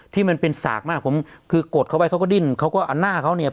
ที่มันเป็นสากมากผมคือกดเขาไว้เขาก็ดิ้นเขาก็เอาหน้าเขาเนี่ย